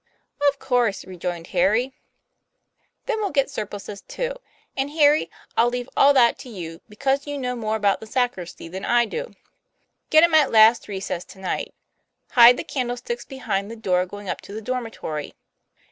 "Qf course," rejoined Harry, TOM PLAYFAIR. 77 "Then we'll get surplices, too; and, Harry, I'll leave all that to you, because you know more about the sacristy than I do. Get 'em at last recess to night. Hide the candlesticks behind the door going up to the dormitory.